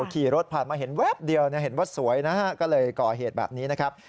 ขี่รถผ่านมาเห็นแวบเดียวเห็นว่าสวยนะฮะก็เลยก่อเหตุแบบนี้นะครับ